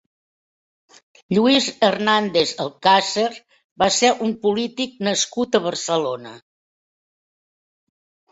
Lluís Hernández Alcàsser va ser un polític nascut a Barcelona.